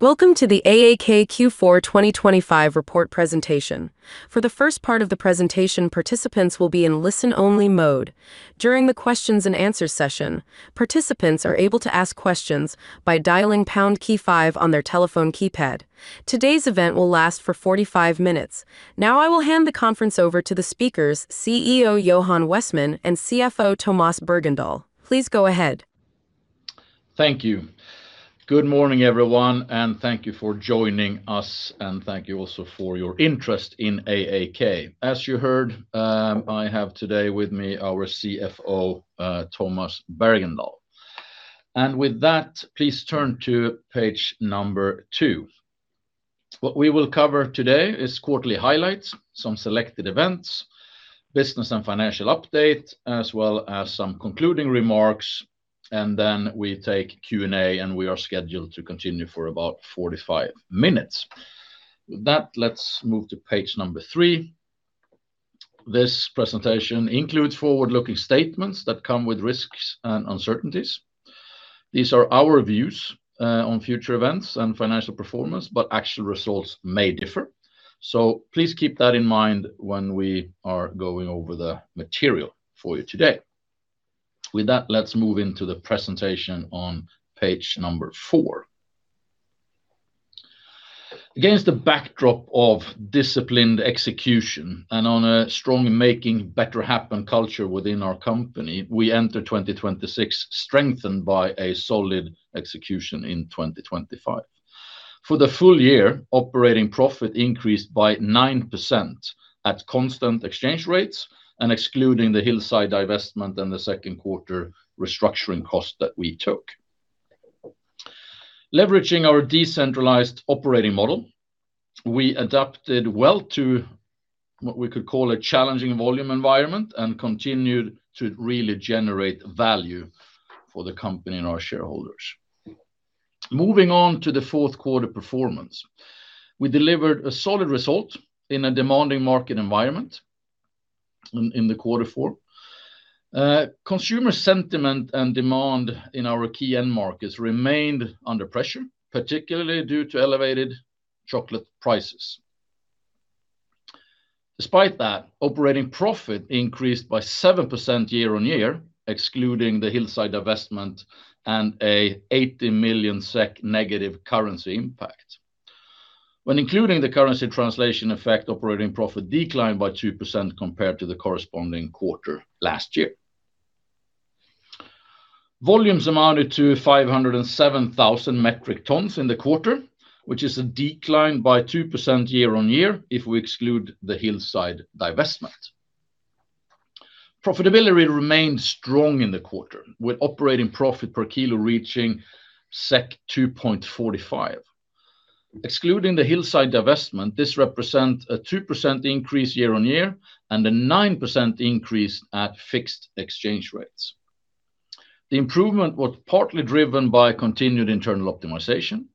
Welcome to the AAK Q4 2025 report presentation. For the first part of the presentation, participants will be in listen-only mode. During the questions and answers session, participants are able to ask questions by dialing pound key five on their telephone keypad. Today's event will last for 45 minutes. Now, I will hand the conference over to the speakers, CEO Johan Westman and CFO Tomas Bergendahl. Please go ahead. Thank you. Good morning, everyone, and thank you for joining us, and thank you also for your interest in AAK. As you heard, I have today with me our CFO, Tomas Bergendahl. With that, please turn to page number two. What we will cover today is quarterly highlights, some selected events, business and financial update, as well as some concluding remarks, and then we take Q&A, and we are scheduled to continue for about 45 minutes. With that, let's move to page number three. This presentation includes forward-looking statements that come with risks and uncertainties. These are our views on future events and financial performance, but actual results may differ. So please keep that in mind when we are going over the material for you today. With that, let's move into the presentation on page number four. Against the backdrop of disciplined execution and on a strong Making Better Happen culture within our company, we enter 2026 strengthened by a solid execution in 2025. For the full year, operating profit increased by 9% at constant exchange rates and excluding the Hillside divestment and the second quarter restructuring cost that we took. Leveraging our decentralized operating model, we adapted well to what we could call a challenging volume environment and continued to really generate value for the company and our shareholders. Moving on to the fourth quarter performance. We delivered a solid result in a demanding market environment in the quarter four. Consumer sentiment and demand in our key end markets remained under pressure, particularly due to elevated chocolate prices. Despite that, operating profit increased by 7% year-on-year, excluding the Hillside divestment and a 80 million SEK negative currency impact. When including the currency translation effect, operating profit declined by 2% compared to the corresponding quarter last year. Volumes amounted to 507,000 metric tons in the quarter, which is a decline by 2% year-on-year if we exclude the Hillside divestment. Profitability remained strong in the quarter, with operating profit per kilo reaching 2.45. Excluding the Hillside divestment, this represent a 2% increase year-on-year and a 9% increase at fixed exchange rates. The improvement was partly driven by continued internal optimization,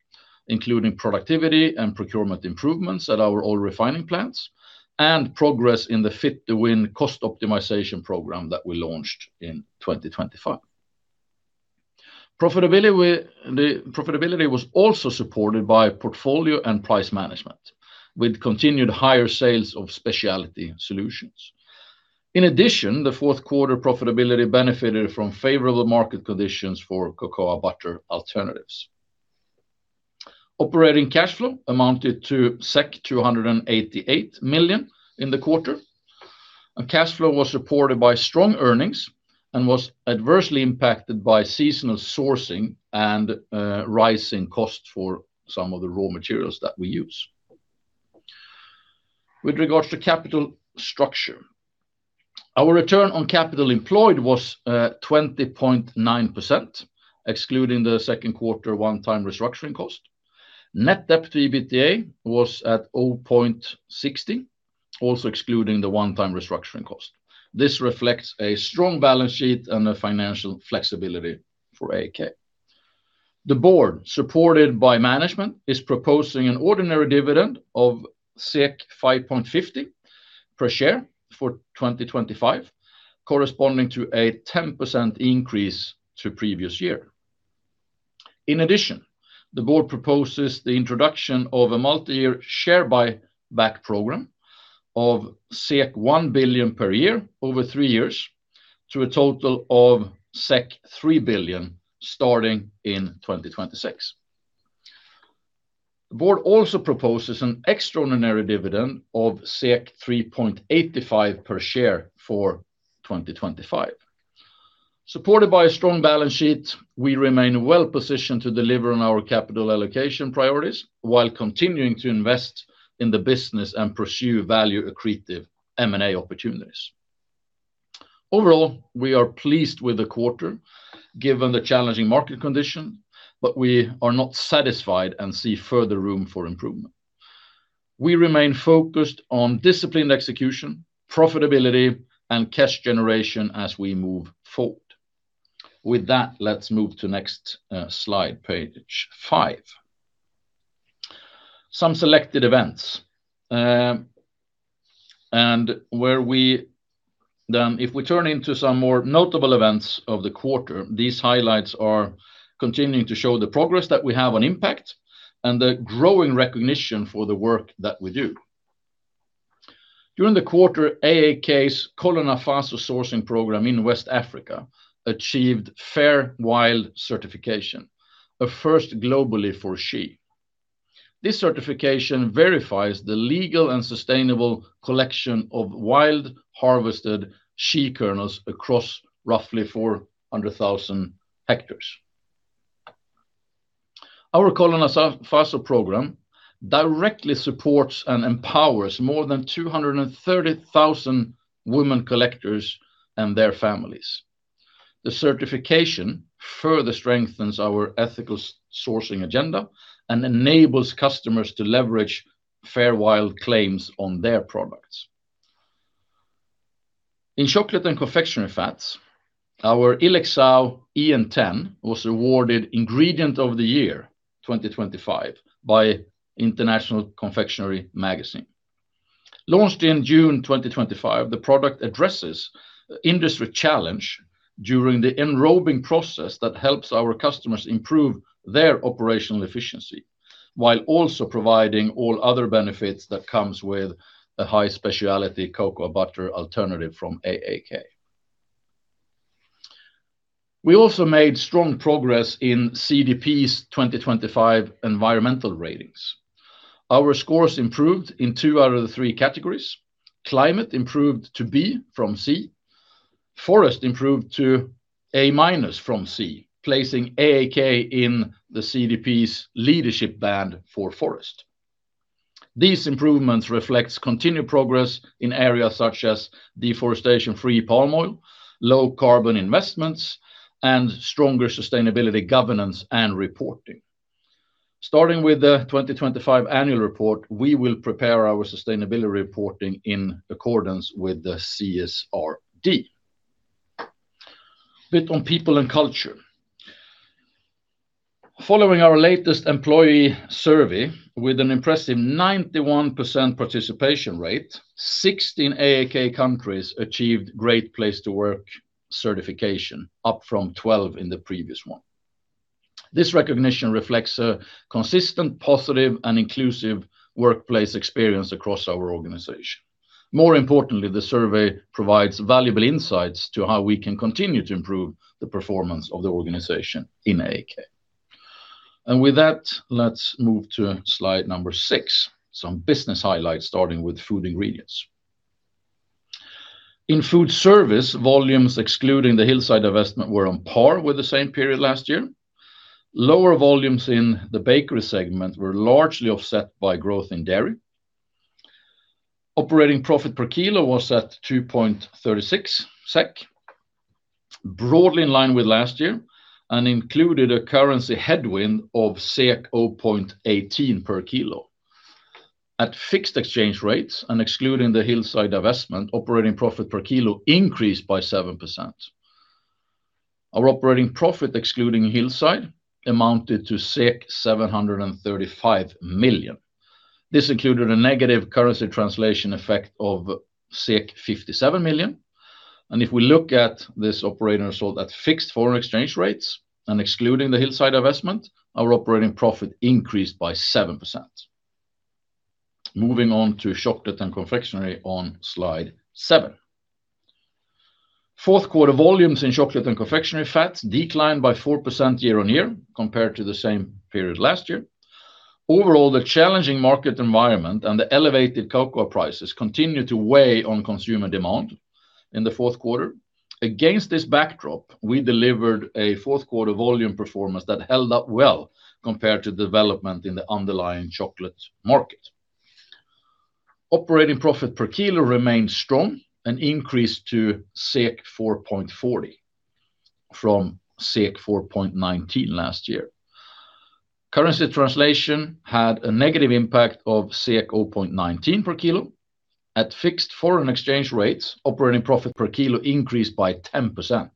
including productivity and procurement improvements at our oil refining plants and progress in the Fit-to-Win cost optimization program that we launched in 2025. Profitability was also supported by portfolio and price management, with continued higher sales of specialty solutions. In addition, the fourth quarter profitability benefited from favorable market conditions for cocoa butter alternatives. Operating cash flow amounted to 288 million in the quarter, and cash flow was supported by strong earnings and was adversely impacted by seasonal sourcing and rising costs for some of the raw materials that we use. With regards to capital structure, our return on capital employed was 20.9%, excluding the second quarter one-time restructuring cost. Net debt to EBITDA was at 0.60, also excluding the one-time restructuring cost. This reflects a strong balance sheet and a financial flexibility for AAK. The board, supported by management, is proposing an ordinary dividend of 5.50 per share for 2025, corresponding to a 10% increase to previous year. In addition, the board proposes the introduction of a multi-year share buyback program of 1 billion per year over three years, to a total of 3 billion starting in 2026. The board also proposes an extraordinary dividend of 3.85 per share for 2025. Supported by a strong balance sheet, we remain well-positioned to deliver on our capital allocation priorities while continuing to invest in the business and pursue value-accretive M&A opportunities. Overall, we are pleased with the quarter, given the challenging market condition, but we are not satisfied and see further room for improvement. We remain focused on disciplined execution, profitability, and cash generation as we move forward. With that, let's move to next, slide, page five. Some selected events. If we turn to some more notable events of the quarter, these highlights are continuing to show the progress that we have on impact, and the growing recognition for the work that we do. During the quarter, AAK's Kolo Nafaso sourcing program in West Africa achieved FairWild certification, a first globally for shea. This certification verifies the legal and sustainable collection of wild-harvested shea kernels across roughly 400,000 hectares. Our Kolo Nafaso program directly supports and empowers more than 230,000 women collectors and their families. The certification further strengthens our ethical sourcing agenda and enables customers to leverage FairWild claims on their products. In Chocolate & Confectionery Fats, our ILLEXAO EN 10 was awarded Ingredient of the Year 2025 by International Confectionery Magazine. Launched in June 2025, the product addresses industry challenge during the enrobing process that helps our customers improve their operational efficiency, while also providing all other benefits that comes with a high specialty cocoa butter alternative from AAK. We also made strong progress in CDP's 2025 environmental ratings. Our scores improved in two out of the three categories. Climate improved to B from C. Forest improved to A-minus from C, placing AAK in the CDP's leadership band for forest. These improvements reflects continued progress in areas such as deforestation-free palm oil, low carbon investments, and stronger sustainability, governance, and reporting. Starting with the 2025 annual report, we will prepare our sustainability reporting in accordance with the CSRD. A bit on people and culture. Following our latest employee survey, with an impressive 91% participation rate, 16 AAK countries achieved Great Place to Work certification, up from 12 in the previous one. This recognition reflects a consistent, positive, and inclusive workplace experience across our organization. More importantly, the survey provides valuable insights to how we can continue to improve the performance of the organization in AAK. And with that, let's move to slide number six, some business Food Ingredients. in food service, volumes excluding the Hillside divestment were on par with the same period last year. Lower volumes in the Bakery segment were largely offset by growth in dairy. Operating profit per kilo was at 2.36 SEK, broadly in line with last year, and included a currency headwind of 0.18 per kilo. At fixed exchange rates and excluding the Hillside divestment, operating profit per kilo increased by 7%. Our operating profit, excluding Hillside, amounted to 735 million. This included a negative currency translation effect of 57 million. And if we look at this operating result at fixed foreign exchange rates and excluding the Hillside divestment, our operating profit increased by 7%. Moving on to Chocolate & Confectionery on slide seven. Fourth quarter volumes in Chocolate & Confectionery Fats declined by 4% year-on-year, compared to the same period last year. Overall, the challenging market environment and the elevated cocoa prices continued to weigh on consumer demand in the fourth quarter. Against this backdrop, we delivered a fourth quarter volume performance that held up well compared to development in the underlying chocolate market. Operating profit per kilo remained strong and increased to 4.40 from 4.19 last year. Currency translation had a negative impact of 0.19 per kilo. At fixed foreign exchange rates, operating profit per kilo increased by 10%.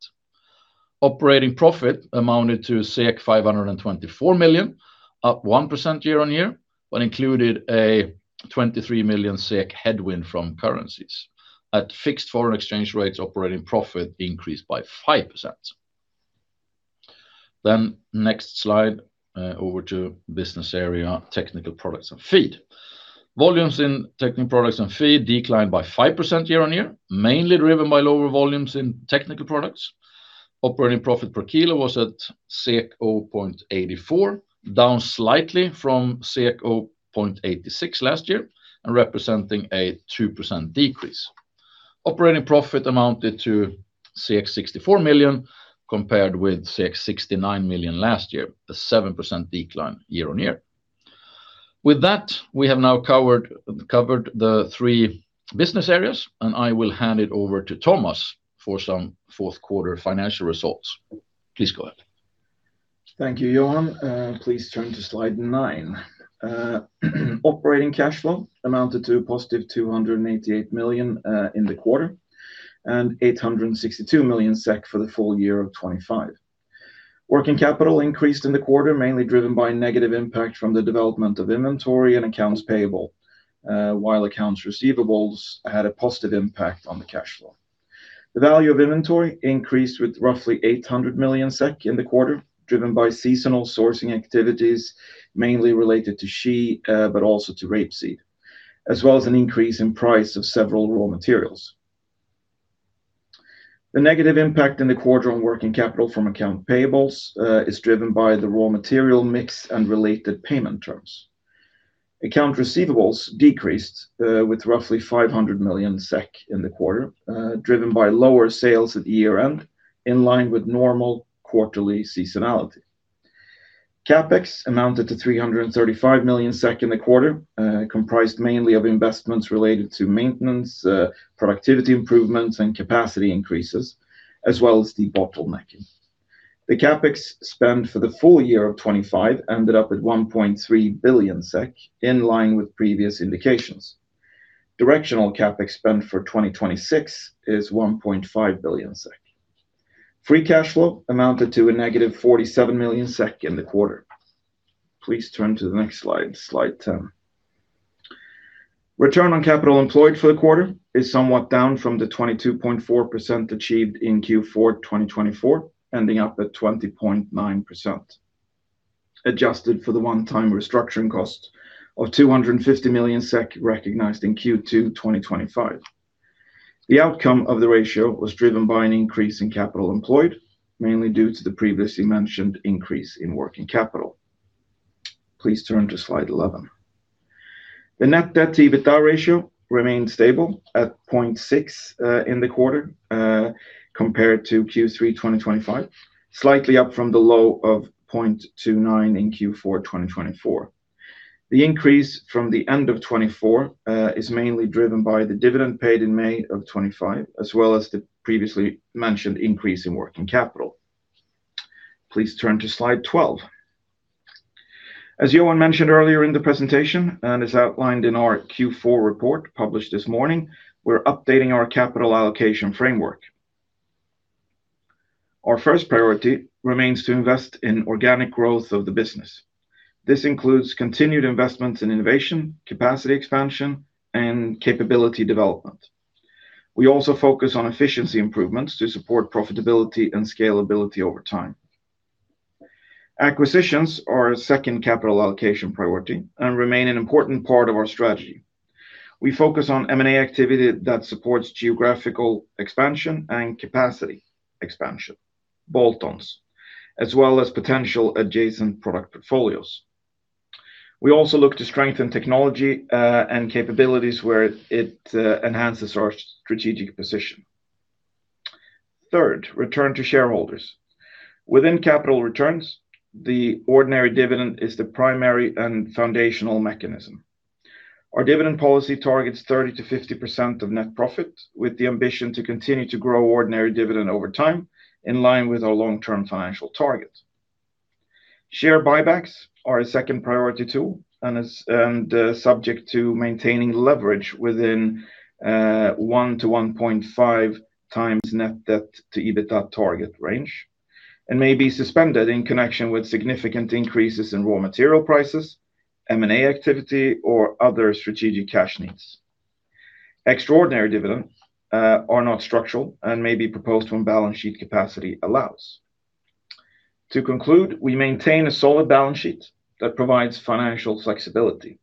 Operating profit amounted to 524 million, up 1% year-on-year, but included a 23 million SEK headwind from currencies. At fixed foreign exchange rates, operating profit increased by 5%. Then next slide, over to business area, Technical Products and Feed. Volumes in Technical Products and Feed declined by 5% year-on-year, mainly driven by lower volumes in technical products. Operating profit per kilo was at 0.84, down slightly from 0.86 last year, and representing a 2% decrease. Operating profit amounted to 64 million, compared with 69 million last year, a 7% decline year-on-year. With that, we have now covered the three business areas, and I will hand it over to Tomas for some fourth quarter financial results. Please go ahead. Thank you, Johan. Please turn to slide nine. Operating cash flow amounted to positive 288 million in the quarter, and 862 million SEK for the full year of 2025. Working capital increased in the quarter, mainly driven by negative impact from the development of inventory and accounts payable, while accounts receivables had a positive impact on the cash flow. The value of inventory increased with roughly 800 million SEK in the quarter, driven by seasonal sourcing activities, mainly related to shea, but also to rapeseed, as well as an increase in price of several raw materials. The negative impact in the quarter on working capital from account payables is driven by the raw material mix and related payment terms. Accounts receivable decreased with roughly 500 million SEK in the quarter, driven by lower sales at year-end, in line with normal quarterly seasonality. CapEx amounted to 335 million SEK in the quarter, comprised mainly of investments related to maintenance, productivity improvements, and capacity increases, as well as debottlenecking. The CapEx spend for the full year of 2025 ended up at 1.3 billion SEK, in line with previous indications. Directional CapEx spend for 2026 is 1.5 billion SEK. Free cash flow amounted to -47 million SEK in the quarter. Please turn to the next slide, slide 10. Return on capital employed for the quarter is somewhat down from the 22.4% achieved in Q4 2024, ending up at 20.9%, adjusted for the one-time restructuring cost of 250 million SEK recognized in Q2 2025. The outcome of the ratio was driven by an increase in capital employed, mainly due to the previously mentioned increase in working capital. Please turn to slide 11. The net debt to EBITDA ratio remained stable at 0.6 in the quarter, compared to Q3 2025, slightly up from the low of 0.29 in Q4 2024. The increase from the end of 2024 is mainly driven by the dividend paid in May of 2025, as well as the previously mentioned increase in working capital. Please turn to slide 12. As Johan mentioned earlier in the presentation, and is outlined in our Q4 report published this morning, we're updating our capital allocation framework. Our first priority remains to invest in organic growth of the business. This includes continued investments in innovation, capacity expansion, and capability development. We also focus on efficiency improvements to support profitability and scalability over time. Acquisitions are a second capital allocation priority and remain an important part of our strategy. We focus on M&A activity that supports geographical expansion and capacity expansion, bolt-ons, as well as potential adjacent product portfolios. We also look to strengthen technology, and capabilities where it enhances our strategic position. Third, return to shareholders. Within capital returns, the ordinary dividend is the primary and foundational mechanism. Our dividend policy targets 30%-50% of net profit, with the ambition to continue to grow ordinary dividend over time, in line with our long-term financial target. Share buybacks are a second priority, too, and subject to maintaining leverage within 1x-1.5x net debt to EBITDA target range, and may be suspended in connection with significant increases in raw material prices, M&A activity, or other strategic cash needs. Extraordinary dividend are not structural and may be proposed when balance sheet capacity allows. To conclude, we maintain a solid balance sheet that provides financial flexibility.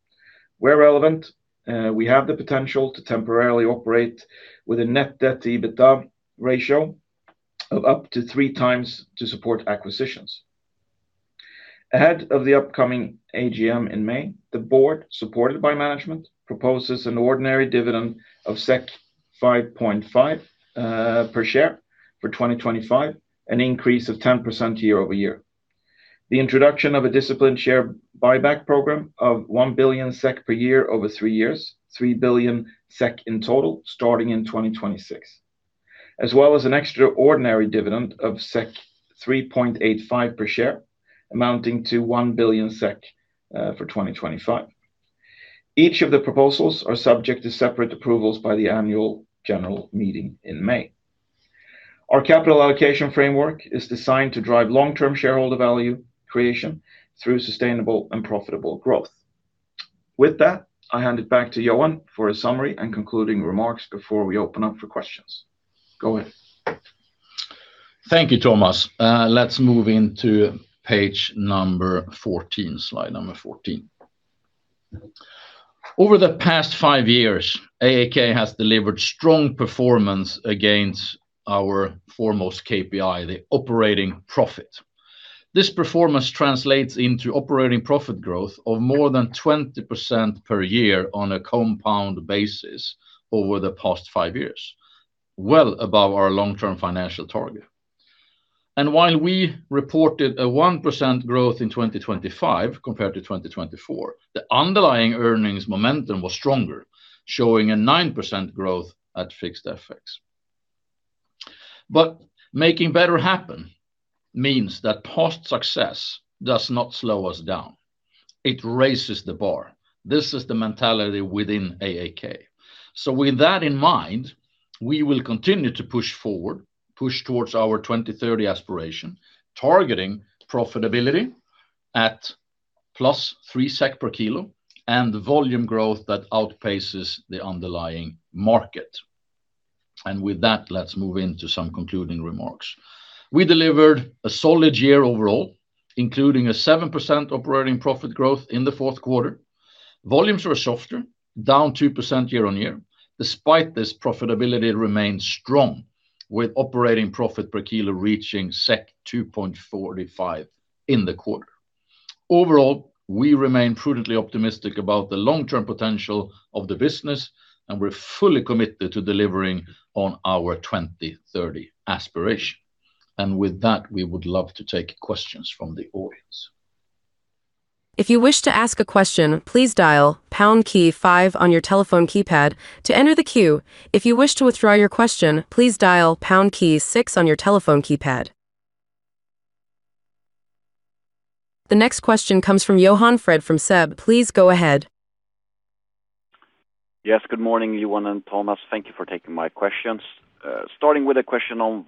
Where relevant, we have the potential to temporarily operate with a net debt to EBITDA ratio of up to 3x to support acquisitions. Ahead of the upcoming AGM in May, the board, supported by management, proposes an ordinary dividend of 5.5 per share for 2025, an increase of 10% year-over-year. The introduction of a disciplined share buyback program of 1 billion SEK per year over three years, 3 billion SEK in total, starting in 2026, as well as an extraordinary dividend of 3.85 per share, amounting to 1 billion SEK, for 2025. Each of the proposals are subject to separate approvals by the annual general meeting in May. Our capital allocation framework is designed to drive long-term shareholder value creation through sustainable and profitable growth. With that, I hand it back to Johan for a summary and concluding remarks before we open up for questions. Go ahead. Thank you, Tomas. Let's move into page 14, slide 14. Over the past five years, AAK has delivered strong performance against our foremost KPI, the operating profit. This performance translates into operating profit growth of more than 20% per year on a compound basis over the past five years, well above our long-term financial target. While we reported a 1% growth in 2025 compared to 2024, the underlying earnings momentum was stronger, showing a 9% growth at fixed effects. But making better happen means that past success does not slow us down. It raises the bar. This is the mentality within AAK. So with that in mind, we will continue to push forward, push towards our 2030 aspiration, targeting profitability at +3 SEK per kilo, and the volume growth that outpaces the underlying market. With that, let's move into some concluding remarks. We delivered a solid year overall, including a 7% operating profit growth in the fourth quarter. Volumes were softer, down 2% year-on-year. Despite this, profitability remains strong, with operating profit per kilo reaching 2.45 in the quarter. Overall, we remain prudently optimistic about the long-term potential of the business, and we're fully committed to delivering on our 2030 aspiration. With that, we would love to take questions from the audience. If you wish to ask a question, please dial pound key five on your telephone keypad to enter the queue. If you wish to withdraw your question, please dial pound key six on your telephone keypad. The next question comes from Johan Fred from SEB. Please go ahead. Yes, good morning, Johan and Tomas. Thank you for taking my questions. Starting with a question on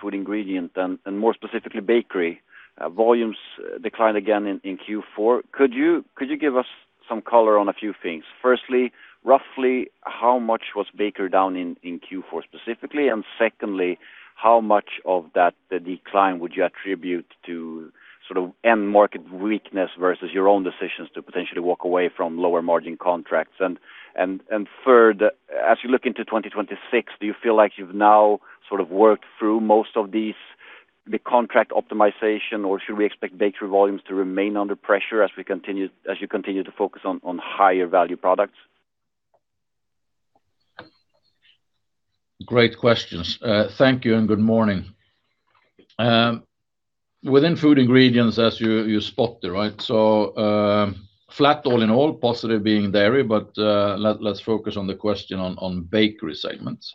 Food Ingredients, and more specifically, Bakery. Volumes declined again in Q4. Could you give us some color on a few things? Firstly, roughly how much was Bakery down in Q4 specifically? And secondly, how much of that, the decline, would you attribute to sort of end market weakness versus your own decisions to potentially walk away from lower margin contracts? And third, as you look into 2026, do you feel like you've now sort of worked through most of these, the contract optimization, or should we expect Bakery volumes to remain under pressure as we continue, as you continue to focus on higher value products? Great questions. Thank you and Food Ingredients, as you spot there, right? So, flat all in all, positive being dairy, but let's focus on the question on Bakery segments.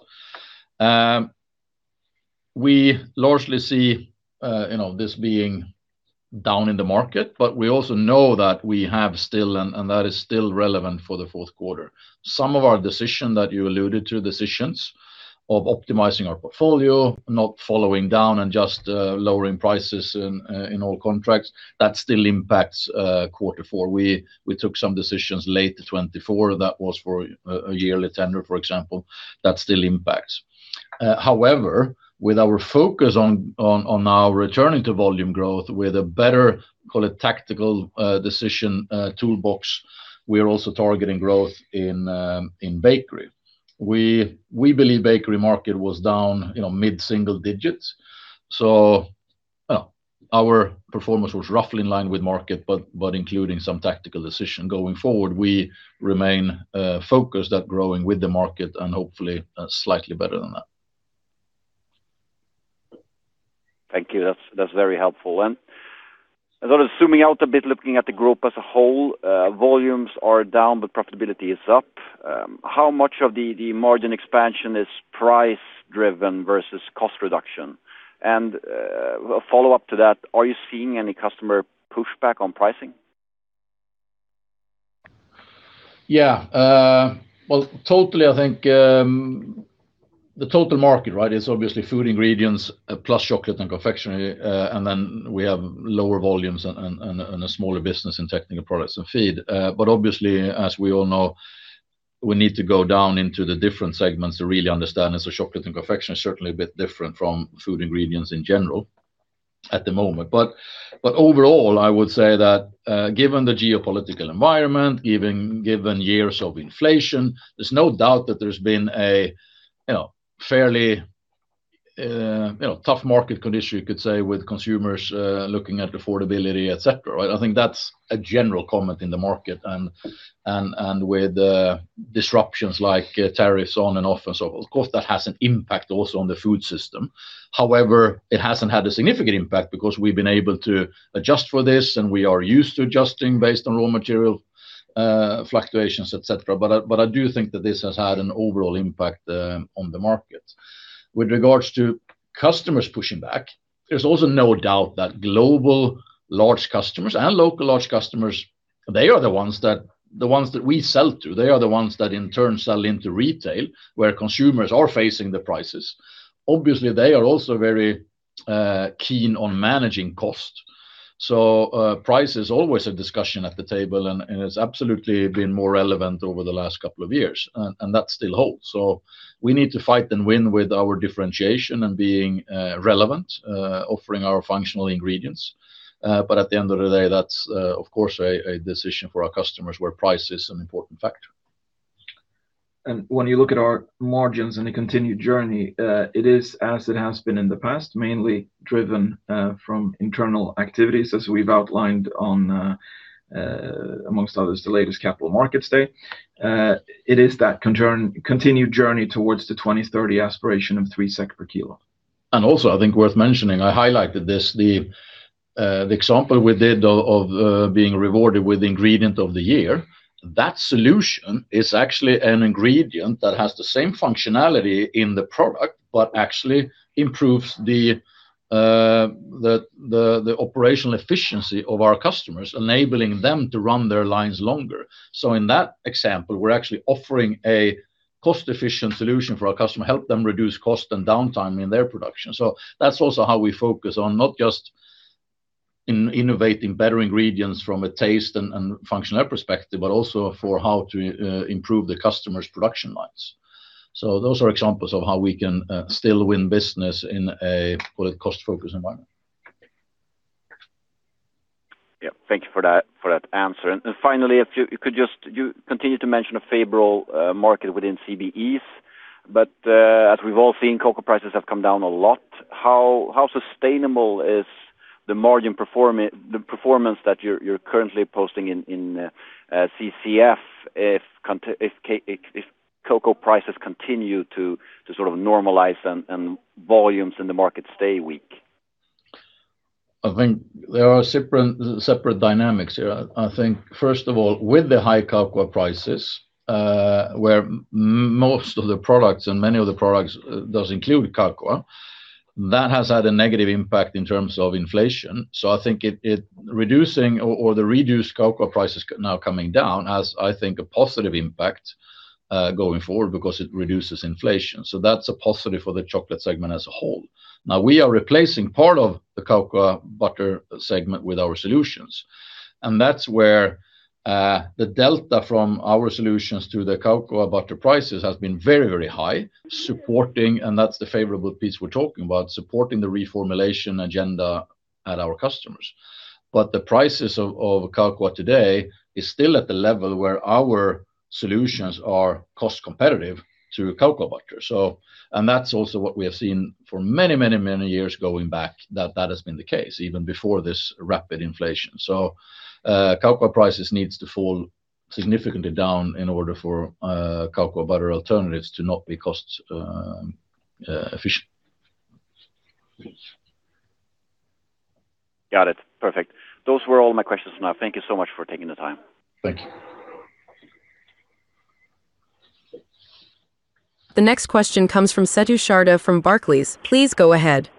We largely see, you know, this being down in the market, but we also know that we have still, and that is still relevant for the fourth quarter. Some of our decision that you alluded to, decisions of optimizing our portfolio, not following down and just lowering prices in all contracts, that still impacts quarter four. We took some decisions late to 2024. That was for a yearly tender, for example. That still impacts. However, with our focus on now returning to volume growth with a better, call it, tactical decision toolbox, we are also targeting growth in Bakery. We believe Bakery market was down, you know, mid-single digits. So, well, our performance was roughly in line with market, but including some tactical decision going forward, we remain focused at growing with the market and hopefully slightly better than that. Thank you. That's very helpful. I thought of zooming out a bit, looking at the group as a whole, volumes are down, but profitability is up. How much of the margin expansion is price-driven versus cost reduction? A follow-up to that, are you seeing any customer pushback on pricing? Yeah, well, totally, I think, the total market, Food Ingredients, plus Chocolate & Confectionery. and then we have lower volumes and a smaller business in technical products and feed. But obviously, as we all know, we need to go down into the different segments to really understand. And so Chocolate & Confectionery is certainly a Food Ingredients in general at the moment. But overall, I would say that, given the geopolitical environment, given years of inflation, there's no doubt that there's been a, you know, fairly, you know, tough market condition, you could say, with consumers looking at affordability, et cetera, right? I think that's a general comment in the market. With disruptions like tariffs on and off and so on, of course, that has an impact also on the food system. However, it hasn't had a significant impact because we've been able to adjust for this, and we are used to adjusting based on raw material fluctuations, et cetera. But I do think that this has had an overall impact on the market. With regards to customers pushing back, there's also no doubt that global large customers and local large customers, they are the ones that we sell to, they are the ones that in turn sell into retail, where consumers are facing the prices. Obviously, they are also very keen on managing cost. So, price is always a discussion at the table, and, and it's absolutely been more relevant over the last couple of years, and that still holds. So we need to fight and win with our differentiation and being, relevant, offering our functional ingredients. But at the end of the day, that's, of course, a, a decision for our customers where price is an important factor. When you look at our margins and a continued journey, it is, as it has been in the past, mainly driven from internal activities, as we've outlined on, amongst others, the latest Capital Markets Day. It is that continued journey towards the 2030 aspiration of 3 SEK per kilo. And also, I think worth mentioning, I highlighted this, the example we did of being rewarded with Ingredient of the Year. That solution is actually an ingredient that has the same functionality in the product, but actually improves the operational efficiency of our customers, enabling them to run their lines longer. So in that example, we're actually offering a cost-efficient solution for our customer, help them reduce cost and downtime in their production. So that's also how we focus on not just in innovating better ingredients from a taste and functional perspective, but also for how to improve the customer's production lines. So those are examples of how we can still win business in a, well, cost-focused environment. Yeah, thank you for that, for that answer. And finally, if you could just. You continue to mention a favorable market within CBEs, but as we've all seen, cocoa prices have come down a lot. How sustainable is the margin performance that you're currently posting in CCF if cocoa prices continue to sort of normalize and volumes in the market stay weak? I think there are separate, separate dynamics here. I think, first of all, with the high cocoa prices, where most of the products and many of the products does include cocoa, that has had a negative impact in terms of inflation. So I think the reduced cocoa prices now coming down has a positive impact, going forward because it reduces inflation, so that's a positive for the chocolate segment as a whole. Now, we are replacing part of the cocoa butter segment with our solutions, and that's where the delta from our solutions to the cocoa butter prices has been very, very high, supporting, and that's the favorable piece we're talking about, supporting the reformulation agenda at our customers. But the prices of cocoa today is still at the level where our solutions are cost competitive to cocoa butter. So, and that's also what we have seen for many, many, many years going back, that that has been the case, even before this rapid inflation. So, cocoa prices needs to fall significantly down in order for, cocoa butter alternatives to not be cost efficient. Got it. Perfect. Those were all my questions now. Thank you so much for taking the time. Thank you. The next question comes from Setu Sharda from Barclays. Please go ahead.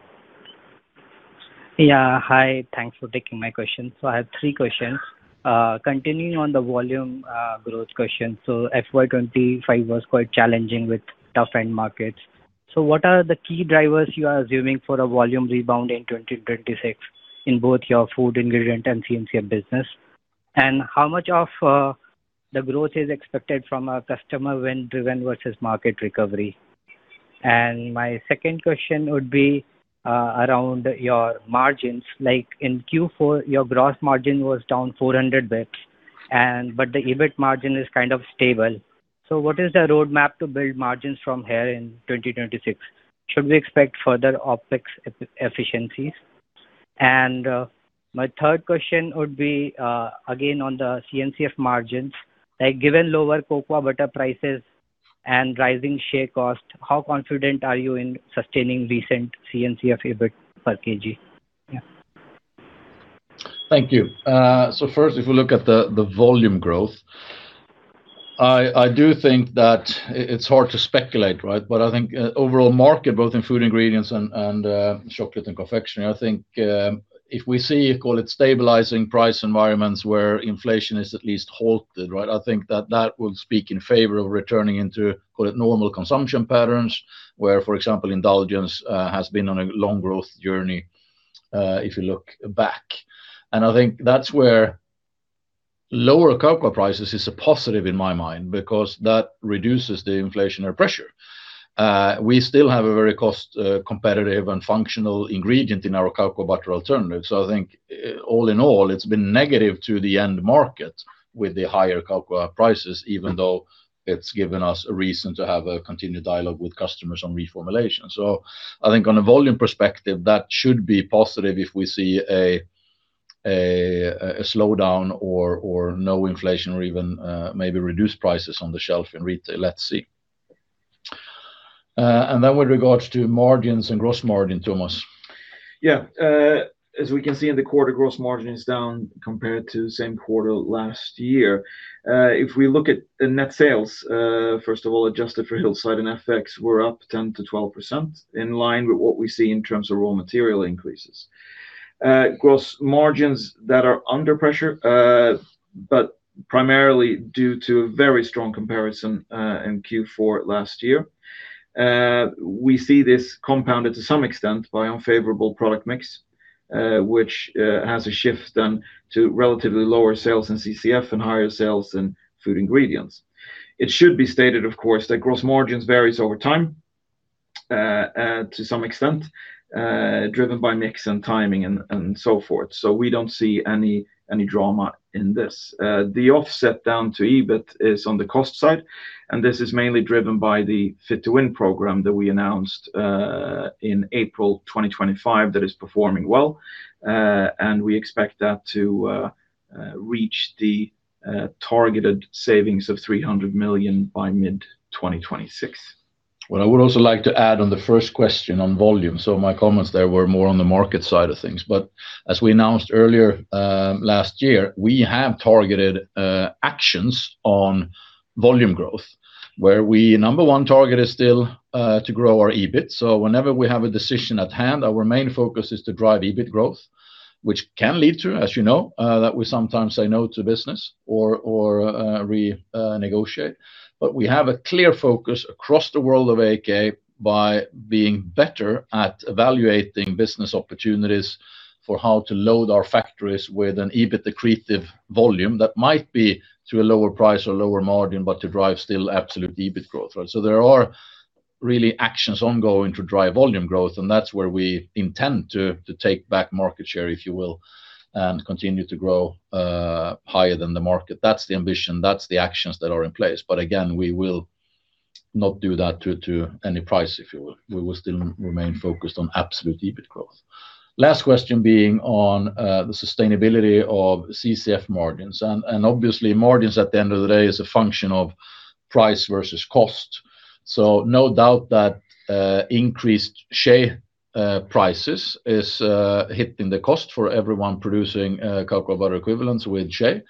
Yeah, hi. Thanks for taking my question. So I have three questions. Continuing on the volume growth question. So FY 2025 was quite challenging with tough end markets. So what are the key drivers you are assuming for a volume rebound in 2026, in Food Ingredients and CCF business? And how much of the growth is expected from a customer win driven versus market recovery? And my second question would be around your margins. Like, in Q4, your gross margin was down 400 basis points, and but the EBIT margin is kind of stable. So what is the roadmap to build margins from here in 2026? Should we expect further OpEx efficiencies? And my third question would be again on the CCF margins. Like, given lower cocoa butter prices and rising shea cost, how confident are you in sustaining recent CCF EBIT per kg? Yeah. Thank you. So first, if we look at the volume growth, I do think that it's hard to speculate, right? But I think overall Food Ingredients and Chocolate & Confectionery, i think if we see, call it, stabilizing price environments where inflation is at least halted, right? I think that that will speak in favor of returning into, call it, normal consumption patterns, where, for example, indulgence has been on a long growth journey if you look back. And I think that's where lower cocoa prices is a positive in my mind, because that reduces the inflationary pressure. We still have a very cost competitive and functional ingredient in our cocoa butter alternative. So I think, all in all, it's been negative to the end market with the higher cocoa prices, even though it's given us a reason to have a continued dialogue with customers on reformulation. So I think on a volume perspective, that should be positive if we see a slowdown or no inflation or even maybe reduced prices on the shelf in retail. Let's see. And then with regards to margins and gross margin, Tomas. Yeah. As we can see in the quarter, gross margin is down compared to the same quarter last year. If we look at the net sales, first of all, adjusted for Hillside and FX, we're up 10%-12%, in line with what we see in terms of raw material increases. Gross margins that are under pressure, but primarily due to a very strong comparison in Q4 last year. We see this compounded to some extent by unfavorable product mix, which has a shift then to relatively lower sales in CCF and Food Ingredients. it should be stated, of course, that gross margins varies over time, to some extent, driven by mix and timing and, and so forth. So we don't see any drama in this. The offset down to EBIT is on the cost side, and this is mainly driven by the Fit-to-Win program that we announced in April 2025, that is performing well. And we expect that to reach the targeted savings of 300 million by mid-2026. Well, I would also like to add on the first question on volume, so my comments there were more on the market side of things. But as we announced earlier, last year, we have targeted actions on volume growth, where number one target is still to grow our EBIT. So whenever we have a decision at hand, our main focus is to drive EBIT growth, which can lead to, as you know, that we sometimes say no to business or we negotiate. But we have a clear focus across the world of AAK by being better at evaluating business opportunities for how to load our factories with an EBIT accretive volume that might be to a lower price or lower margin, but to drive still absolute EBIT growth, right? So there are really actions ongoing to drive volume growth, and that's where we intend to take back market share, if you will, and continue to grow higher than the market. That's the ambition, that's the actions that are in place. But again, we will not do that to any price, if you will. We will still remain focused on absolute EBIT growth. Last question being on the sustainability of CCF margins, and obviously, margins at the end of the day is a function of price versus cost. So no doubt that increased shea prices is hitting the cost for everyone producing cocoa butter equivalents with shea.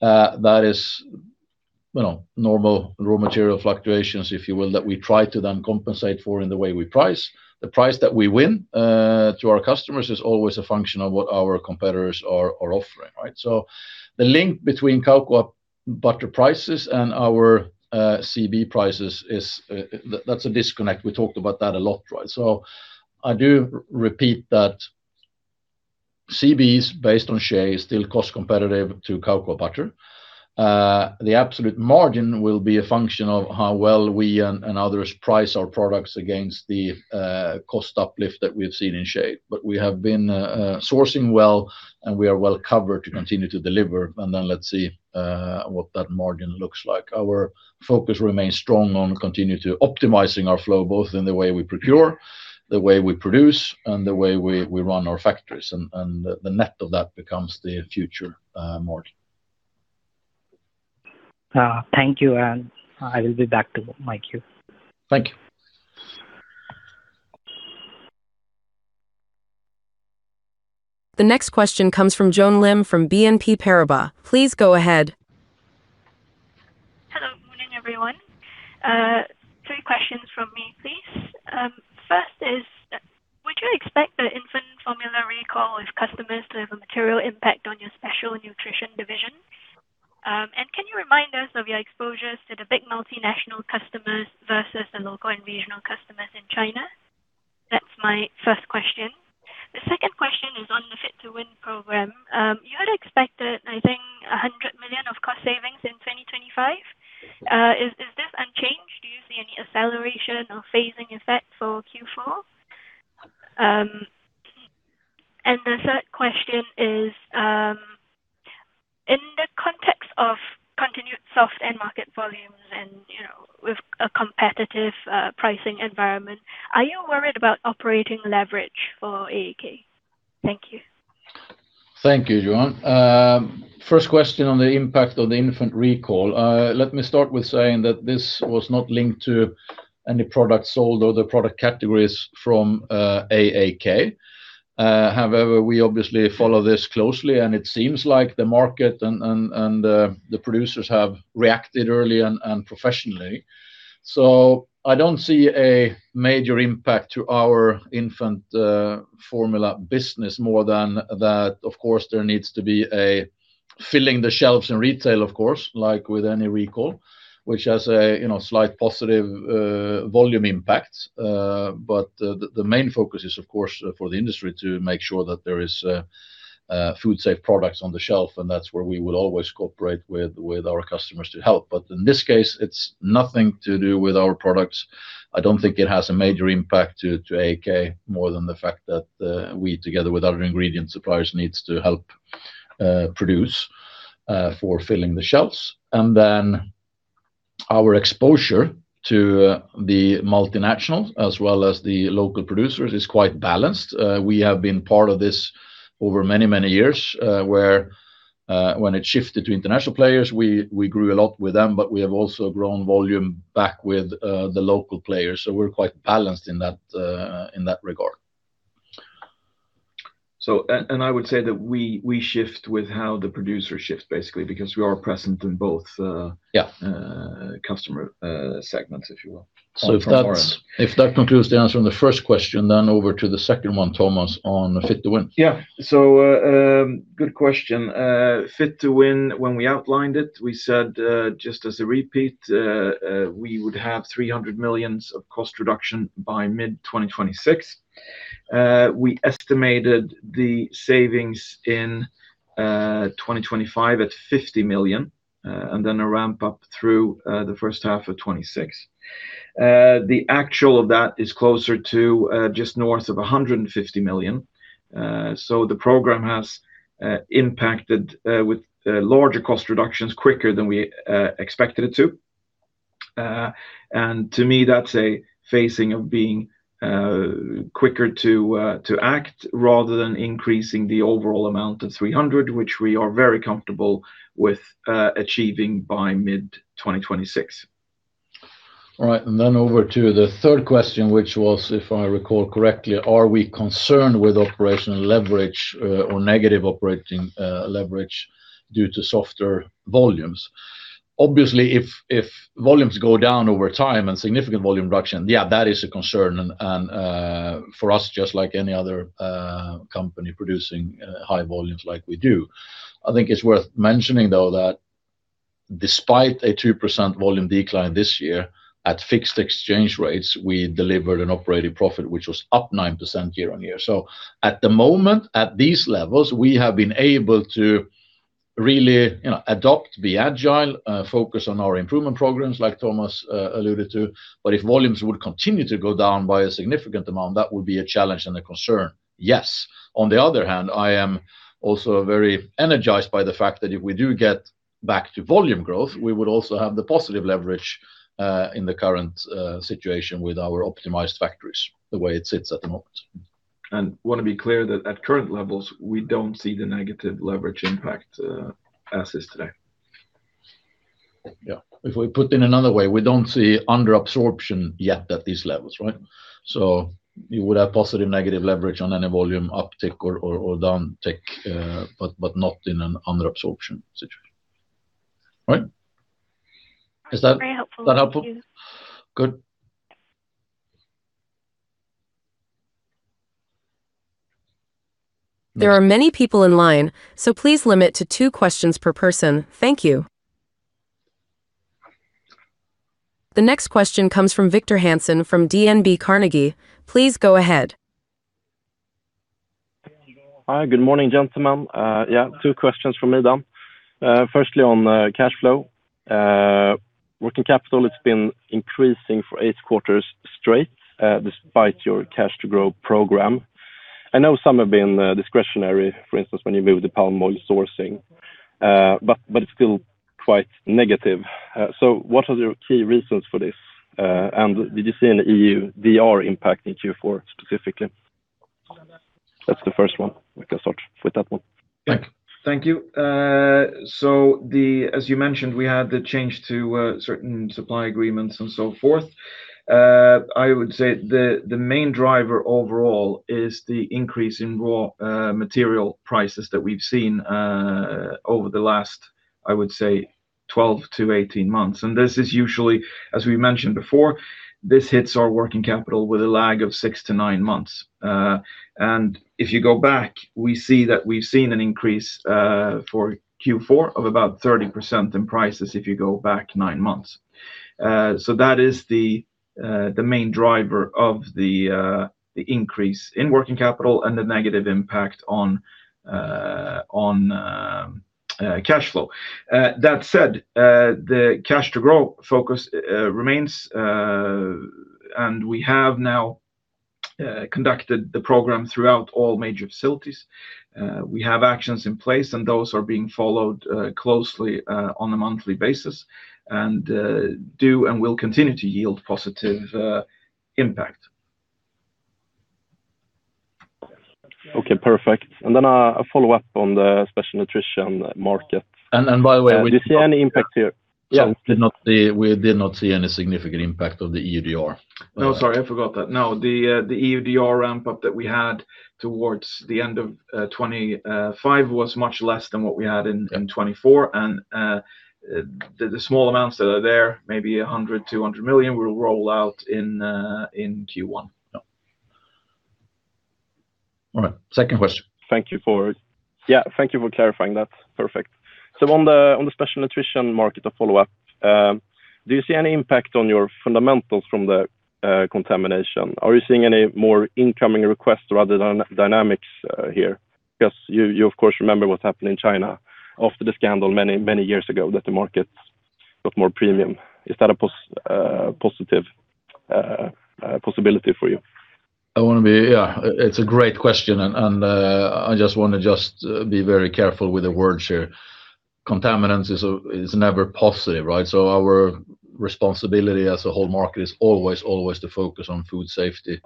That is, you know, normal raw material fluctuations, if you will, that we try to then compensate for in the way we price. The price that we win to our customers is always a function of what our competitors are offering, right? So the link between cocoa butter prices and our CB prices is that's a disconnect. We talked about that a lot, right? So I do repeat that CBs based on shea is still cost competitive to cocoa butter. The absolute margin will be a function of how well we and others price our products against the cost uplift that we've seen in shea. But we have been sourcing well, and we are well covered to continue to deliver, and then let's see what that margin looks like. Our focus remains strong on continue to optimizing our flow, both in the way we procure, the way we produce, and the way we run our factories, and the net of that becomes the future margin. Thank you, and I will be back to my queue. Thank you. The next question comes from Joan Lim, from BNP Paribas. Please go ahead. Hello, good morning, everyone. Three questions from me, please. First is, would you expect the infant formula recall with customers to have a material impact on your Special Nutrition division? And can you remind us of your exposures to the big multinational customers versus the local and regional customers in China? That's my first question. The second question is on the Fit-to-Win program. You had expected, I think, 100 million of cost savings in 2025. Is this unchanged? Do you see any acceleration or phasing effect for Q4? And the third question is, in the context of continued soft end market volumes and, you know, with a competitive pricing environment, are you worried about operating leverage for AAK? Thank you. Thank you, Joan. First question on the impact of the infant recall. Let me start with saying that this was not linked to any products sold or the product categories from AAK. However, we obviously follow this closely, and it seems like the market and the producers have reacted early and professionally. So I don't see a major impact to our infant formula business more than that. Of course, there needs to be a filling the shelves in retail, of course, like with any recall, which has a, you know, slight positive volume impact. But the main focus is, of course, for the industry to make sure that there is food-safe products on the shelf, and that's where we will always cooperate with our customers to help. But in this case, it's nothing to do with our products. I don't think it has a major impact to AAK, more than the fact that we, together with our ingredient suppliers, needs to help produce for filling the shelves. And then our exposure to the multinationals, as well as the local producers, is quite balanced. We have been part of this over many, many years, where when it shifted to international players, we grew a lot with them, but we have also grown volume back with the local players. So we're quite balanced in that regard. I would say that we shift with how the producer shifts, basically, because we are present in both. Yeah customer segments, if you will. So, if that concludes the answer on the first question, then over to the second one, Tomas, on Fit-to-Win. Yeah. So, good question. Fit-to-Win, when we outlined it, we said, just as a repeat, we would have 300 million of cost reduction by mid-2026. We estimated the savings in 2025 at 50 million, and then a ramp-up through the first half of 2026. The actual of that is closer to just north of 150 million. So the program has impacted with larger cost reductions quicker than we expected it to. And to me, that's a phasing of being quicker to act, rather than increasing the overall amount of 300 million, which we are very comfortable with achieving by mid-2026. All right, and then over to the third question, which was, if I recall correctly, are we concerned with operational leverage or negative operating leverage due to softer volumes? Obviously, if, if volumes go down over time and significant volume reduction, yeah, that is a concern. And, and, for us, just like any other company producing high volumes like we do. I think it's worth mentioning, though, that despite a 2% volume decline this year, at fixed exchange rates, we delivered an operating profit, which was up 9% year-on-year. So at the moment, at these levels, we have been able to really, you know, adopt, be agile, focus on our improvement programs, like Tomas alluded to. But if volumes would continue to go down by a significant amount, that would be a challenge and a concern. Yes. On the other hand, I am also very energized by the fact that if we do get back to volume growth, we would also have the positive leverage in the current situation with our optimized factories, the way it sits at the moment. Want to be clear that at current levels, we don't see the negative leverage impact, as is today. Yeah. If we put in another way, we don't see under absorption yet at these levels, right? So you would have positive, negative leverage on any volume uptick or downtick, but not in an under absorption situation. Right? Is that- Very helpful. That helpful? Good. There are many people in line, so please limit to two questions per person. Thank you. The next question comes from Victor Hansen from DNB Carnegie. Please go ahead. Hi, good morning, gentlemen. Yeah, two questions from me, then. Firstly, on cash flow. Working capital, it's been increasing for eight quarters straight, despite your Cash to Grow program. I know some have been discretionary, for instance, when you move the palm oil sourcing, but, but it's still quite negative. So what are your key reasons for this? And did you see an EUDR impact in Q4, specifically? That's the first one. We can start with that one. Thank you. So the. As you mentioned, we had the change to certain supply agreements and so forth. I would say the main driver overall is the increase in raw material prices that we've seen over the last, I would say, 12 months-18 months. And this is usually, as we mentioned before, this hits our working capital with a lag of six to nine months. And if you go back, we see that we've seen an increase for Q4 of about 30% in prices if you go back nine months. So that is the main driver of the increase in working capital and the negative impact on cash flow. That said, the Cash to row focus remains, and we have now conducted the program throughout all major facilities. We have actions in place, and those are being followed closely, on a monthly basis, and will continue to yield positive impact. Okay, perfect. And then, a follow-up on the Special Nutrition market. And by the way- Do you see any impact here? Yeah, we did not see, we did not see any significant impact of the EUDR. No, sorry, I forgot that. No, the EUDR ramp-up that we had towards the end of 2025 was much less than what we had in 2024. The small amounts that are there, maybe 100 million-200 million, will roll out in Q1. Yeah. All right, second question. Thank you for. Yeah, thank you for clarifying that. Perfect. So on the Special Nutrition market, a follow-up, do you see any impact on your fundamentals from the contamination? Are you seeing any more incoming requests rather than dynamics here? Because you of course remember what happened in China after the scandal many, many years ago, that the market got more premium. Is that a positive possibility for you? Yeah, it's a great question, and I just want to be very careful with the words here. Contaminants is never positive, right? So our responsibility as a whole market is always to focus on food safety,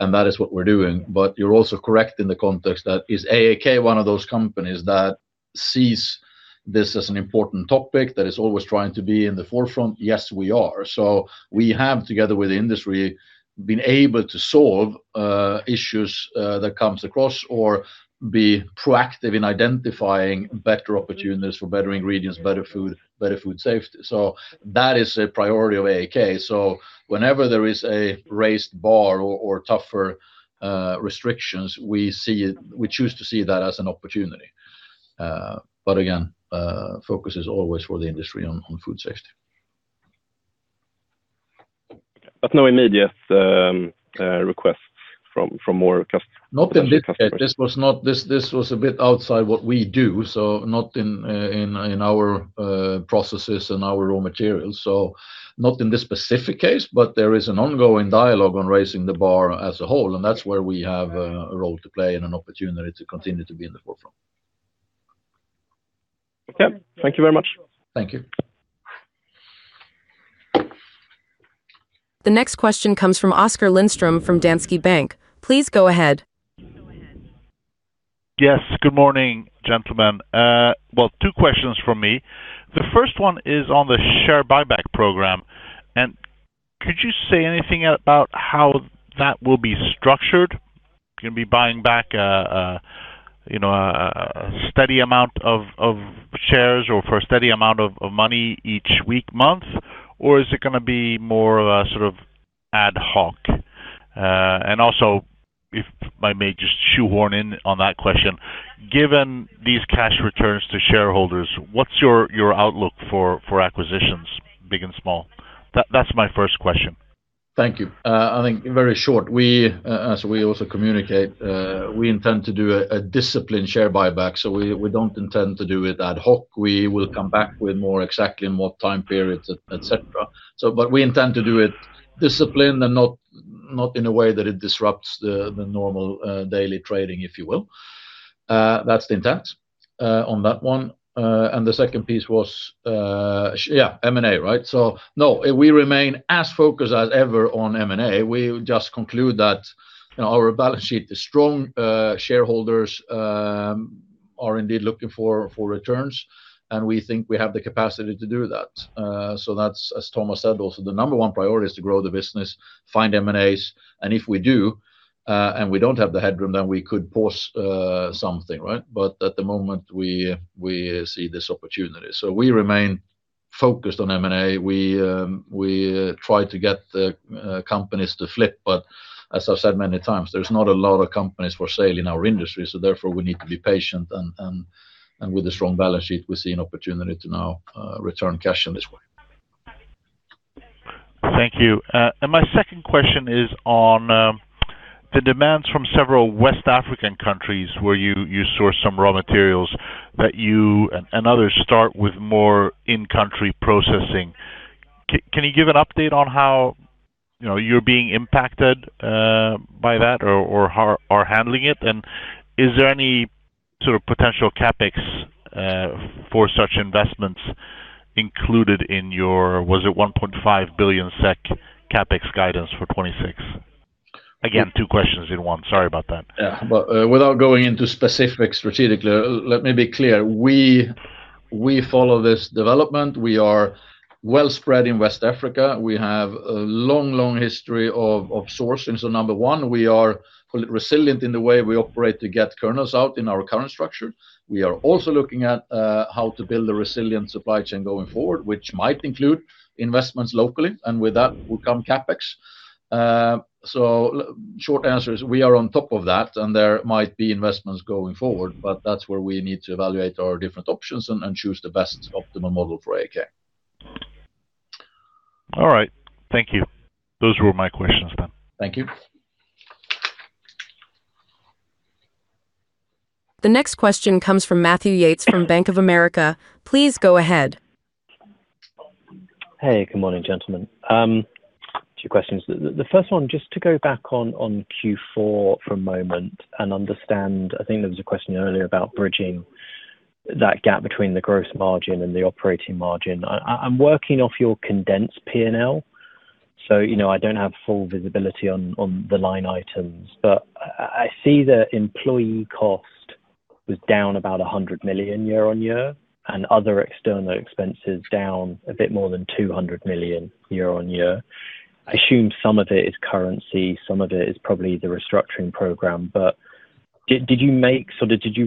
and that is what we're doing. But you're also correct in the context that, is AAK one of those companies that sees this as an important topic, that is always trying to be in the forefront? Yes, we are. So we have, together with the industry, been able to solve issues that comes across or be proactive in identifying better opportunities for better ingredients, better food, better food safety. So that is a priority of AAK. So whenever there is a raised bar or tougher restrictions, we see it, we choose to see that as an opportunity. But again, focus is always for the industry on food safety. No immediate requests from more cust- Not in this case. This was a bit outside what we do, so not in our processes and our raw materials. So not in this specific case, but there is an ongoing dialogue on raising the bar as a whole, and that's where we have a role to play and an opportunity to continue to be in the forefront. Okay. Thank you very much. Thank you. The next question comes from Oskar Lindström from Danske Bank. Please go ahead. Yes, good morning, gentlemen. Well, two questions from me. The first one is on the share buyback program, and could you say anything about how that will be structured? You're gonna be buying back, you know, a steady amount of shares or for a steady amount of money each week, month? Or is it gonna be more of a sort of ad hoc? And also, if I may just shoehorn in on that question, given these cash returns to shareholders, what's your outlook for acquisitions, big and small? That's my first question. Thank you. I think very short. We, as we also communicate, we intend to do a disciplined share buyback, so we don't intend to do it ad hoc. We will come back with more exactly in what time periods, et cetera. So but we intend to do it disciplined and not in a way that it disrupts the normal daily trading, if you will. That's the intent on that one. And the second piece was, yeah, M&A, right? So no, we remain as focused as ever on M&A. We just conclude that, you know, our balance sheet is strong. Shareholders are indeed looking for returns, and we think we have the capacity to do that. So that's, as Tomas said, also the number one priority is to grow the business, find M&As, and if we do and we don't have the headroom, then we could pause something, right? But at the moment, we see this opportunity. So we remain focused on M&A. We try to get the companies to flip, but as I've said many times, there's not a lot of companies for sale in our industry, so therefore, we need to be patient, and with a strong balance sheet, we see an opportunity to now return cash in this way. Thank you. And my second question is on the demands from several West African countries where you source some raw materials, that you and others start with more in-country processing. Can you give an update on how, you know, you're being impacted by that or handling it? And is there any sort of potential CapEx for such investments included in your. Was it 1.5 billion SEK CapEx guidance for 2026? Again, two questions in one. Sorry about that. Yeah. But without going into specifics strategically, let me be clear: we follow this development. We are well spread in West Africa. We have a long, long history of sourcing. So number one, we are resilient in the way we operate to get kernels out in our current structure. We are also looking at how to build a resilient supply chain going forward, which might include investments locally, and with that will come CapEx. So short answer is we are on top of that, and there might be investments going forward, but that's where we need to evaluate our different options and choose the best optimum model for AAK. All right. Thank you. Those were my questions then. Thank you. The next question comes from Matthew Yates, from Bank of America. Please go ahead. Hey, good morning, gentlemen. Two questions. The first one, just to go back on Q4 for a moment and understand, I think there was a question earlier about bridging that gap between the gross margin and the operating margin. I'm working off your condensed P&L, so, you know, I don't have full visibility on the line items, but I see the employee cost was down about 100 million year-over-year, and other external expenses down a bit more than 200 million year-over-year. I assume some of it is currency, some of it is probably the restructuring program, but did you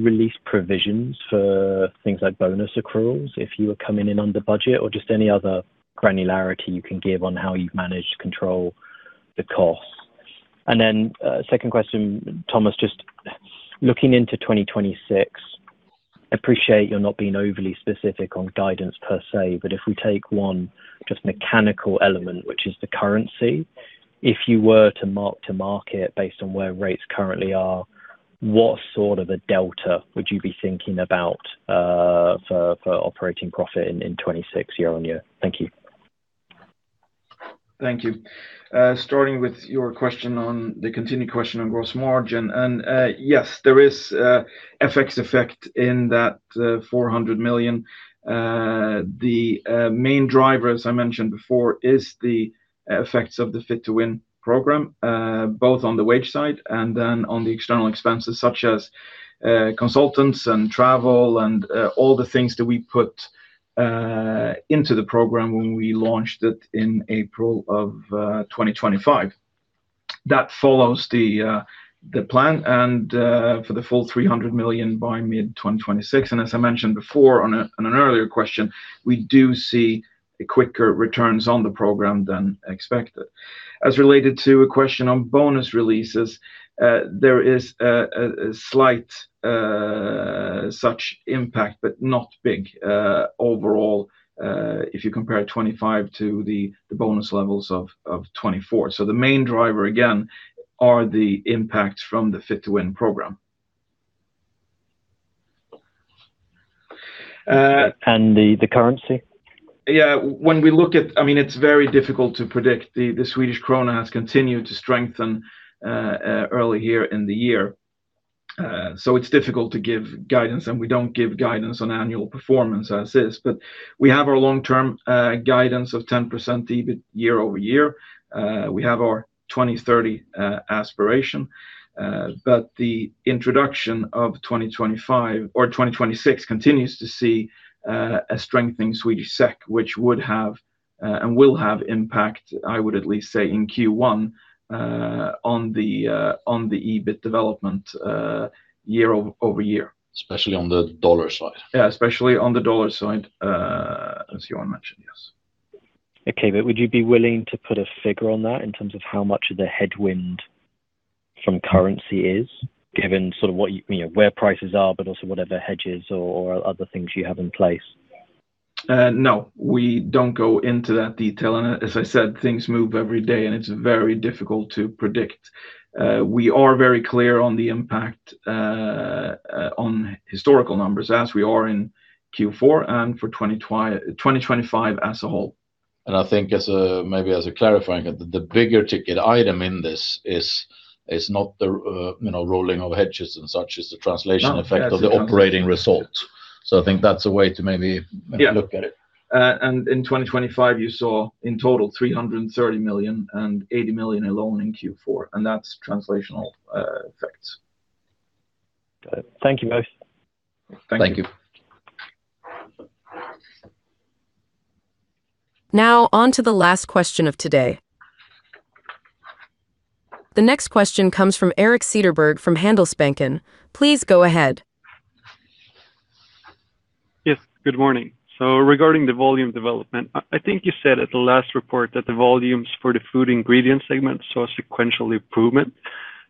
release provisions for things like bonus accruals if you were coming in under budget, or just any other granularity you can give on how you've managed to control the costs? Then, second question, Tomas, just looking into 2026, appreciate you're not being overly specific on guidance per se, but if we take one just mechanical element, which is the currency, if you were to mark to market based on where rates currently are, what sort of a delta would you be thinking about, for operating profit in 2026 year-over-year? Thank you. Thank you. Starting with your question on the continued question on gross margin, and yes, there is FX effect in that 400 million. The main driver, as I mentioned before, is the effects of the Fit-to-Win program, both on the wage side and then on the external expenses, such as consultants and travel and all the things that we put into the program when we launched it in April of 2025. That follows the plan and for the full 300 million by mid-2026, and as I mentioned before on an earlier question, we do see quicker returns on the program than expected. As related to a question on bonus releases, there is a slight such impact, but not big overall, if you compare 2025 to the bonus levels of 2024. So the main driver, again, are the impacts from the Fit-to-Win program. The currency? Yeah, when we look at. I mean, it's very difficult to predict. The Swedish krona has continued to strengthen early here in the year. so it's difficult to give guidance, and we don't give guidance on annual performance as is. But we have our long-term guidance of 10% EBIT year-over-year. We have our 2030 aspiration. But the introduction of 2025 or 2026 continues to see a strengthening Swedish SEK, which would have and will have impact, I would at least say, in Q1, on the on the EBIT development, year-over-year. Especially on the dollar side. Yeah, especially on the dollar side, as you want to mention. Yes. Okay, but would you be willing to put a figure on that in terms of how much of the headwind from currency is, given sort of what, you know, where prices are, but also whatever hedges or, or other things you have in place? No, we don't go into that detail. And as I said, things move every day, and it's very difficult to predict. We are very clear on the impact on historical numbers as we are in Q4 and for 2025 as a whole. I think maybe as a clarifying, the bigger ticket item in this is not the, you know, rolling of hedges and such, is the translation effect- No, that's- of the operating result. So I think that's a way to maybe Yeah Look at it. In 2025, you saw in total 330 million and 80 million alone in Q4, and that's translational effects. Got it. Thank you both. Thank you. Thank you. Now on to the last question of today. The next question comes from Erik Cederberg, from Handelsbanken. Please go ahead. Yes, good morning. So regarding the volume development, I think you said at the last report that the volumes Food Ingredients segment saw a sequential improvement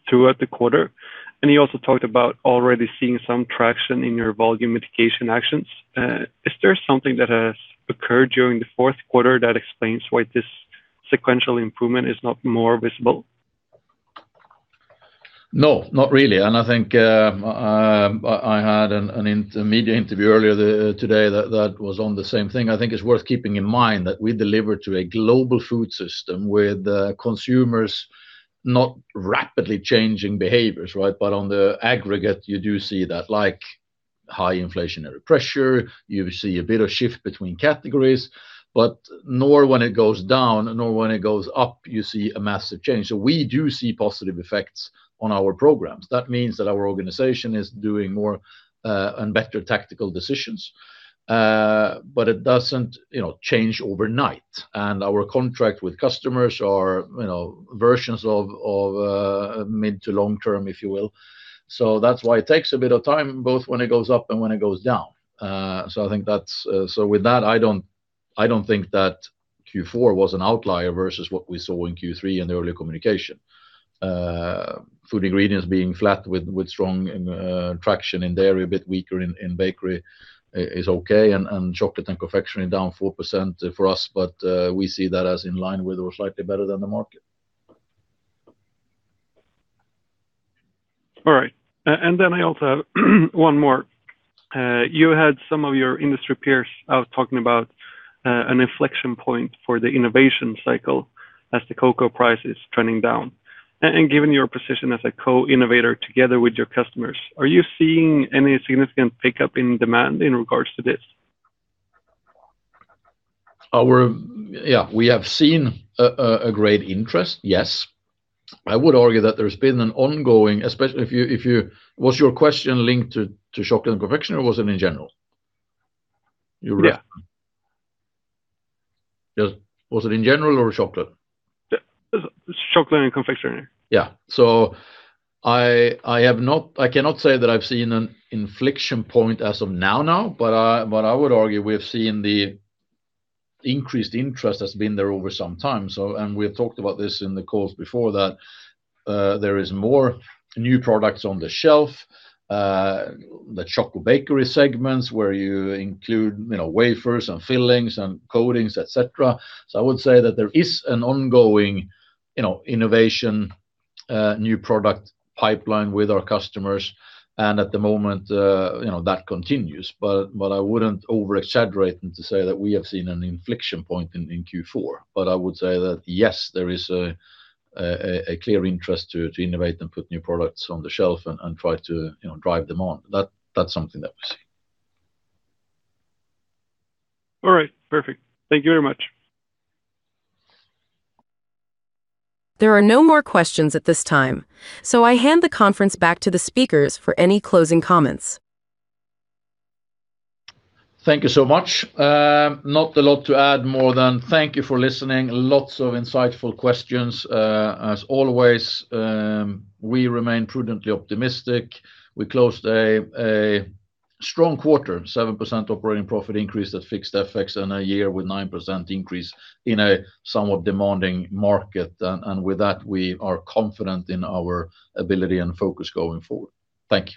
throughout the quarter, and you also talked about already seeing some traction in your volume mitigation actions. Is there something that has occurred during the fourth quarter that explains why this sequential improvement is not more visible? No, not really. And I think I had an interview earlier today that was on the same thing. I think it's worth keeping in mind that we deliver to a global food system with consumers not rapidly changing behaviors, right? But on the aggregate, you do see that, like, high inflationary pressure, you see a bit of shift between categories, but nor when it goes down, nor when it goes up, you see a massive change. So we do see positive effects on our programs. That means that our organization is doing more and better tactical decisions. But it doesn't, you know, change overnight. And our contract with customers are, you know, versions of mid to long term, if you will. So that's why it takes a bit of time, both when it goes up and when it goes down. So I think that's so with that, I don't think that Q4 was an outlier versus what we saw in Q3 and Food Ingredients being flat with strong traction in there, a bit weaker in Bakery is okay, and Chocolate & Confectionery down 4% for us, but we see that as in line with or slightly better than the market. All right, and then I also have one more. You had some of your industry peers out talking about an inflection point for the innovation cycle as the cocoa price is trending down. And given your position as a co-innovator together with your customers, are you seeing any significant pickup in demand in regards to this? Yeah, we have seen a great interest, yes. I would argue that there's been an ongoing. Especially if you-- Was your question linked to chocolate and confection, or was it in general? You- Yeah. Just was it in general or chocolate? Yeah, Chocolate & Confectionery. Yeah. So I have not—I cannot say that I've seen an inflection point as of now, but I would argue we have seen the increased interest that's been there over some time. So, and we have talked about this in the calls before that, there is more new products on the shelf, the chocolate Bakery segments, where you include, you know, wafers and fillings and coatings, et cetera. So I would say that there is an ongoing, you know, innovation, new product pipeline with our customers, and at the moment, you know, that continues. But I wouldn't over exaggerate and to say that we have seen an inflection point in Q4. I would say that, yes, there is a clear interest to innovate and put new products on the shelf and try to, you know, drive them on. That's something that we see. All right. Perfect. Thank you very much. There are no more questions at this time, so I hand the conference back to the speakers for any closing comments. Thank you so much. Not a lot to add, more than thank you for listening. Lots of insightful questions, as always, we remain prudently optimistic. We closed a strong quarter, 7% operating profit increase at fixed FX and a year with 9% increase in a somewhat demanding market. And with that, we are confident in our ability and focus going forward. Thank you.